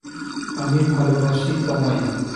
আমি ভালোবাসি তোমায়।